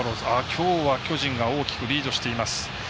きょうは巨人が大きくリードしています。